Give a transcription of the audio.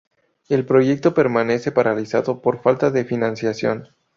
El proyecto permanece paralizado por falta de financiación.